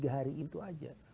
dua tiga hari itu aja